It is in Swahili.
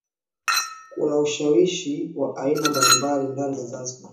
Kuna ushawishi wa aina mbalimbali ndani ya Zanzibar